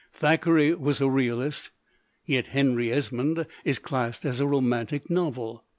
Thackeray was a realist. Yet Henry Esmond is classed as a romantic novel.